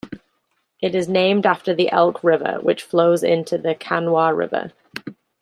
It is named after the Elk River, which flows into the Kanawha River.